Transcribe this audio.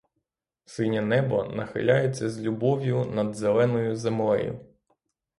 Синє небо нахиляється з любов'ю над зеленою землею.